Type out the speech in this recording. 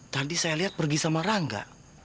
tadi saya lihat pergi sama rangga